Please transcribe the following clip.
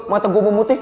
mata gue memutih